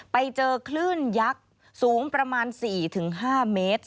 ไปเจอคลื่นยักษ์สูงประมาณ๔๕เมตร